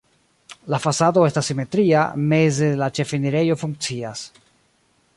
La fasado estas simetria, meze la ĉefenirejo funkcias.